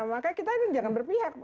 makanya kita jangan berpihak